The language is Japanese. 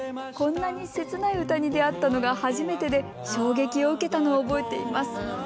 こんなに切ない歌に出会ったのが初めてで衝撃を受けたのを覚えています。